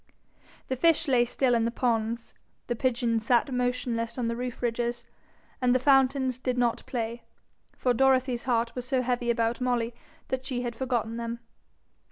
The fish lay still in the ponds, the pigeons sat motionless on the roof ridges, and the fountains did not play; for Dorothy's heart was so heavy about Molly, that she had forgotten them.